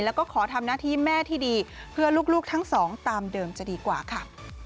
แล้วก็ขอทำหน้าที่แม่ที่ดีเพื่อลูกทั้งสองตามเดิมจะดีกว่าค่ะ